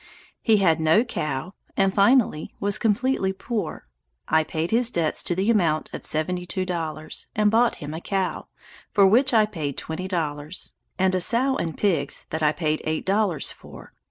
He had no cow, and finally, was completely poor, I paid his debts to the amount of seventy two dollars, and bought him a cow, for which I paid twenty dollars, and a sow and pigs, that I paid eight dollars for.